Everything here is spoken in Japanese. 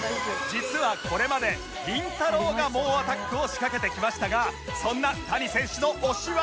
実はこれまでりんたろー。が猛アタックを仕掛けてきましたがそんな谷選手の推しは